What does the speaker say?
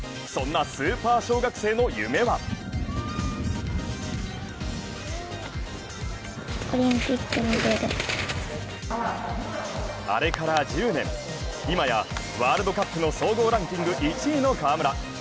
そんなスーパー小学生の夢はあれから１０年、いまや、ワールドカップの総合ランキング１位の川村。